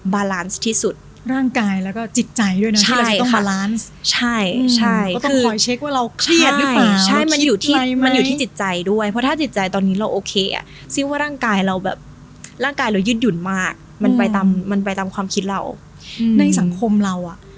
บารานซ์ที่สุดร่างกายแล้วก็จิตใจด้วยเนอะใช่ค่ะที่เราจะต้องบารานซ์ใช่ใช่